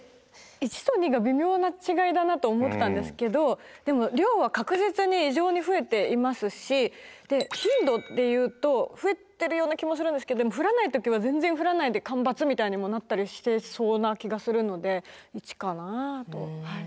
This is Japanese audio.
１と２が微妙な違いだなと思ったんですけどでも量は確実に異常に増えていますし頻度で言うと降ってるような気もするんですけどでも降らない時は全然降らないで干ばつみたいにもなったりしてそうな気がするので１かなと。